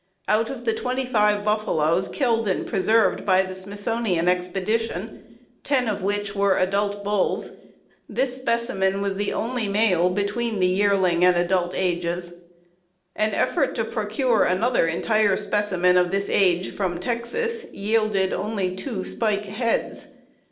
Out of the twenty five buffaloes killed and preserved by the Smithsonian expedition, ten of which were adult bulls, this specimen was the only male between the yearling and the adult ages. An effort to procure another entire specimen of this age from Texas yielded only two spike heads.